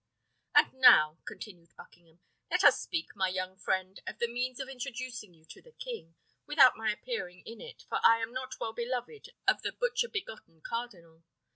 "And now," continued Buckingham, "let us speak, my young friend, of the means of introducing you to the king, without my appearing in it, for I am not well beloved of the butcher begotten cardinal.